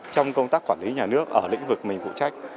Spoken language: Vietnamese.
trong công tác quản lý nhà nước ở lĩnh vực mình phụ trách